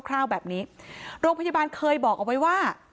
คร่าวแบบนี้โรงพยาบาลเคยบอกเอาไว้ว่า